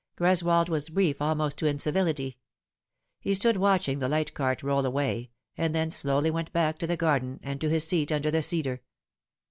Greswold was brief almost to incivility. He stood watching the light cart roll away, and then went slowly back to the garden and to his seat under the cedar.